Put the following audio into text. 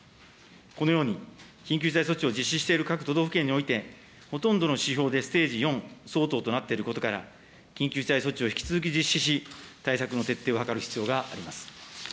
このように、緊急事態措置を実施している各都道府県において、ほとんどの指標でステージ４相当となっていることから、緊急事態措置を引き続き実施し、対策の徹底を図る必要があります。